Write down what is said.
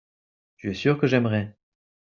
tu es sûr que j'aimerai.